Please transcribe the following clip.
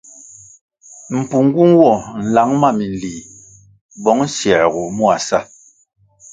Mpungu nwo nlang ma minlih bong siergoh mua sa.